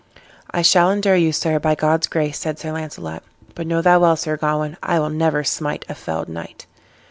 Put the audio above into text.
"I shall endure you, sir, by God's grace," said Sir Launcelot, "but know thou well Sir Gawain, I will never smite a felled knight."